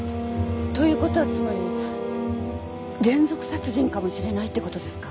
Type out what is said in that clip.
ということはつまり連続殺人かもしれないってことですか？